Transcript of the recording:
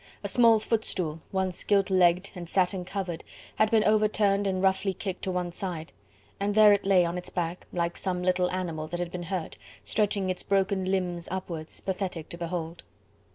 A small footstool, once gilt legged and satin covered, had been overturned and roughly kicked to one side, and there it lay on its back, like some little animal that had been hurt, stretching its broken limbs upwards, pathetic to behold.